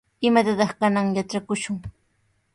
¿Imatataq kananqa yatrakushun?